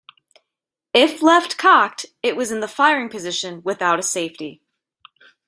If left cocked, it was in the firing position without a safety.